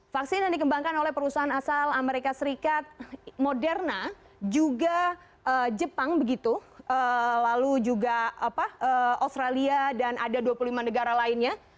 vaksin yang dikembangkan oleh perusahaan asal amerika serikat moderna juga jepang begitu lalu juga australia dan ada dua puluh lima negara lainnya